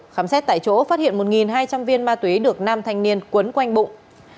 khám xét tại chỗ phát hiện một hai trăm linh viên ma túy được nam thanh niên quấn quanh bụng